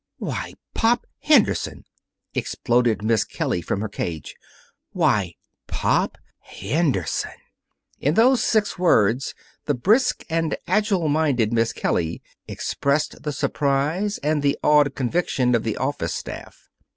"Why, Pop Henderson!" exploded Miss Kelly from her cage. "Why Pop Henderson!" In those six words the brisk and agile minded Miss Kelly expressed the surprise and the awed conviction of the office staff.